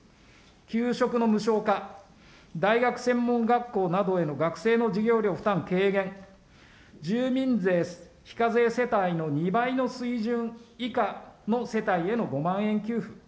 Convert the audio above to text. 給食の無償化、大学・専門学校などへの学生の授業料負担軽減、住民税非課税世帯の２倍の水準以下の世帯への５万円給付。